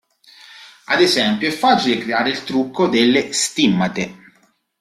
Ad esempio è facile creare il trucco delle stimmate.